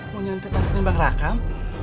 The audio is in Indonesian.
mau nyantai banget ngebang rakam